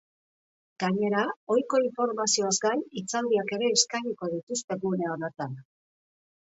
Gainera, ohiko informazioaz gain, hitzaldiak ere eskainiko dituzte gune horretan.